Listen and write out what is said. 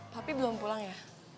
papi belum pulang ya